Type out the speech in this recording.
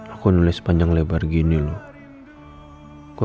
aku nulis panjang lebar gini loh